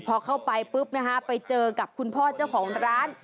พอเข้าไปปุ๊บนะฮะไปเจอกับคุณพ่อเจ้าของร้าน